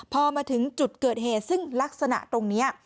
พอมาถึงจุดเกิดเหตุซึ่งลักษณะตรงนี้